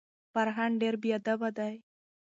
فرهان ډیر بیادبه دی.